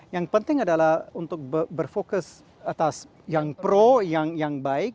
yang penting adalah untuk berfokus atas yang pro yang baik